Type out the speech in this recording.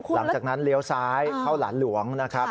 หลังจากนั้นเลี้ยวซ้ายเข้าหลานหลวงนะครับ